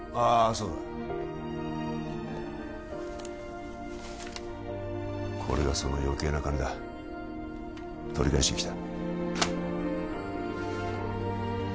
そうだこれがその余計な金だ取り返してきた